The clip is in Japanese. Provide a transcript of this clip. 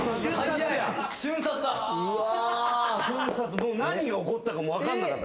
もう何が起こったかも分かんなかった。